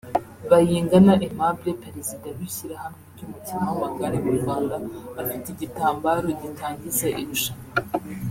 Bayingana Aimable Perezida w'ishyirahamwe ry'umukino w'amagare mu Rwanda afite igitambaro gitangiza irushanwa